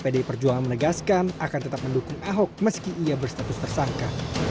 pdi perjuangan menegaskan akan tetap mendukung ahok meski ia berstatus tersangka